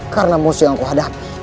karena musuh yang aku hadapi